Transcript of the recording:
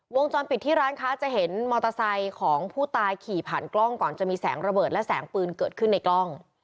วงจรปิดที่ร้านค้าจะเห็นมอเตอร์ไซค์ของผู้ตายขี่ผ่านกล้องก่อนจะมีแสงระเบิดและแสงปืนเกิดขึ้นในกล้อง